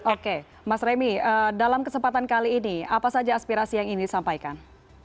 oke mas remi dalam kesempatan kali ini apa saja aspirasi yang ingin disampaikan